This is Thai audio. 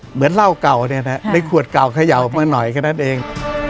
เหมือนเหล้าเก่าเนี่ยนะในขวดเก่าเขย่าออกมาหน่อยแค่นั้นเอง